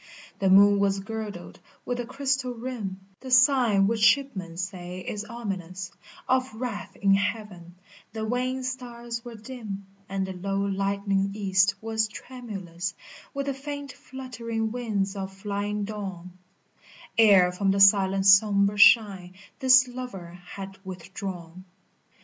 ] The moon was girdled with a crystal rim, The sign which shipmen say is ominous Of wrath in heaven, the wan stars were dim, And the low lightening east was tremulous With the faint fluttering wings of flying dawn, Ere from the silent sombre shrine this lover had with drawn.